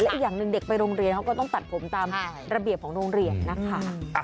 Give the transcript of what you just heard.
อีกอย่างหนึ่งเด็กไปโรงเรียนเขาก็ต้องตัดผมตามระเบียบของโรงเรียนนะคะ